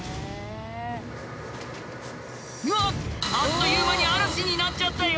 あっという間に嵐になっちゃったよ。